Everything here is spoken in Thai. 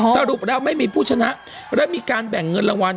สรุปแล้วไม่มีผู้ชนะและมีการแบ่งเงินรางวัล